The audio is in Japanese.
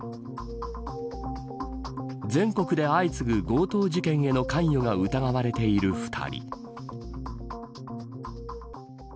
全国で相次ぐ強盗事件への関与が疑われている２人。